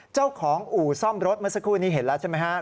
เจ้าของอู่ซ่อมรถเมื่อสักครู่นี้เห็นแล้วใช่ไหมฮะ